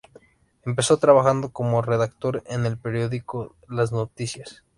Empezó trabajando como redactor en el periódico "Las Noticias".